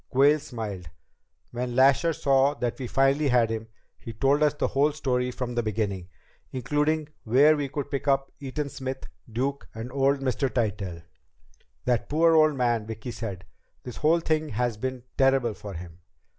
Quayle smiled. "When Lasher saw that we finally had him, he told us the whole story from the beginning, including where we could pick up Eaton Smith, Duke, and old Mr. Tytell." "That poor old man," Vicki said. "This whole thing has been terrible for him."